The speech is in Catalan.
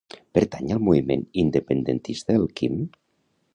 Pertany al moviment independentista el Quim?